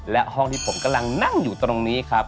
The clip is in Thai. และห้องที่ผมกำลังนั่งอยู่ตรงนี้ครับ